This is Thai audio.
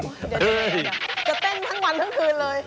จะเต้นทั้งวันทั้งคืนเลย